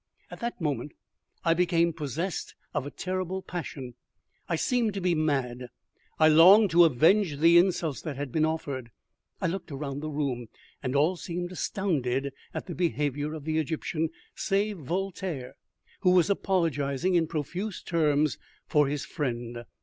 At that moment I became possessed of a terrible passion. I seemed to be mad. I longed to avenge the insults that had been offered. I looked around the room, and all seemed astounded at the behaviour of the Egyptian, save Voltaire, who was apologizing in profuse terms for his friend.